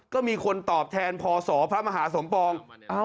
ก็มีคนตอบแทนพศพระมหาสมปอง